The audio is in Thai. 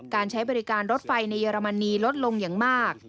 การใช้บริการรถไฟในเรมนีลดลงอย่างมาก